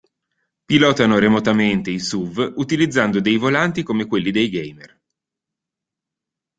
Pilotano remotamente i SUV utilizzando dei volanti come quelli dei gamer.